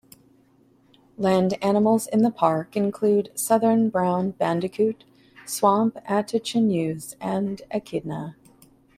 Land animals in the park include southern brown bandicoot, swamp antechinuse and echidna.